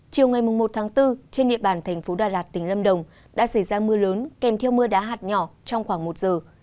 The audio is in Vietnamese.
chiều ngày một bốn trên địa bàn tp đà lạt tỉnh lâm đồng đã xảy ra mưa lớn kèm theo mưa đá hạt nhỏ trong khoảng một giờ